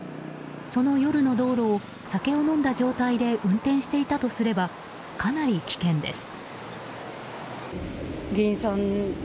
その夜の道路を酒を飲んだ状態で運転していたとすればかなり危険です。